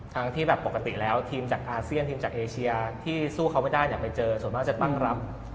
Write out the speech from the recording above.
ทั้งที่แบบปกติแล้วทีมจากอาเซียนทีมจากเอเชียที่สู้เขาไม่ได้เนี่ยไปเจอส่วนมากจะตั้งรับ